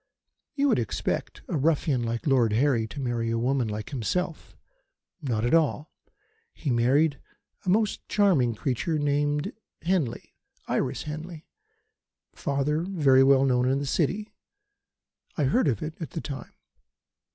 "You would expect a ruffian like Lord Harry to marry a woman like himself. Not at all. He married a most charming creature named Henley Iris Henley father very well known in the City. I heard of it at the time.